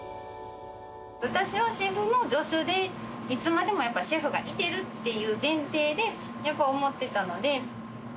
私はシェフの助手で、いつまでもやっぱりシェフがいてるっていう前提で思ってたので。